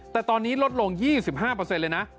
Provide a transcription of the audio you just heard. แต่ตอนนี้ลดลง๒๕เลยนะ